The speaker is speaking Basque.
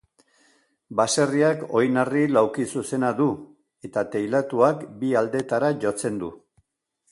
Baserriak oinarri laukizuzena du eta teilatuak bi aldetara jotzen du.